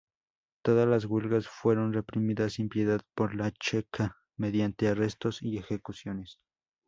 Todas las huelgas fueron reprimidas sin piedad por la Cheka mediante arrestos y ejecuciones.